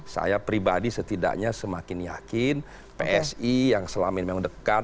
saya pribadi setidaknya semakin yakin psi yang selama ini memang dekat